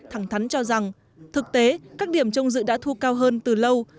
thẳng thắn cho rằng thực tế các điểm trong dự đã thu cao hơn từ lâu